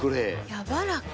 やわらか。